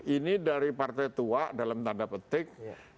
ini dari partai tua dalam tanda petik